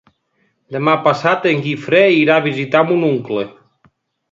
Demà passat en Guifré irà a visitar mon oncle.